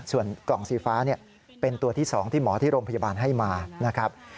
ส่วนกล่องสีฟ้าเป็นตัวที่๒ที่หมอที่โรงพยาบาลให้มานะครับ